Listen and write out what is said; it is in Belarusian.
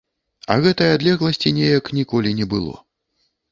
А гэтай адлегласці неяк ніколі не было.